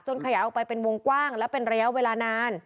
ขยายออกไปเป็นวงกว้างและเป็นระยะเวลานาน